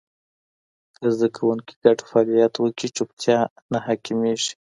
که زده کوونکي ګډ فعالیت وکړي، چوپتیا نه حاکمېږي.